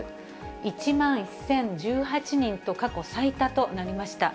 １万１０１８人と、過去最多となりました。